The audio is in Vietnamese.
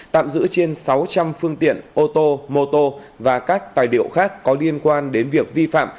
tạm giữ trên sáu trăm linh phương tiện ô tô mô tô và các tài liệu khác có liên quan đến việc vi phạm